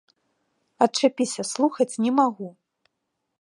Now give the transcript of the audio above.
Адчапіся, слухаць не магу!